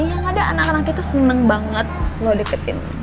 yang ada anak anaknya tuh seneng banget lo deketin